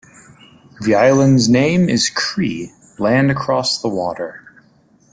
The island's name is Cree "land across the water".